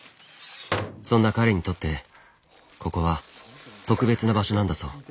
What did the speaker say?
そんな彼にとってここは特別な場所なんだそう。